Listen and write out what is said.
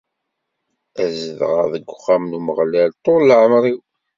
Ad zedɣeɣ deg uxxam n Umeɣlal ṭṭul n lɛemr-iw.